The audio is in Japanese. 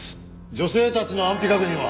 女性たちの安否確認は？